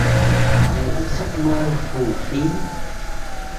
Những giấc mơ phù phiếm